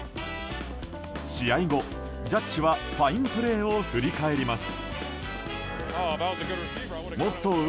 試合後、ジャッジはファインプレーを振り返ります。